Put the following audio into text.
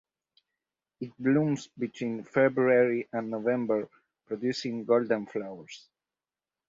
It blooms between February and November producing golden flowers.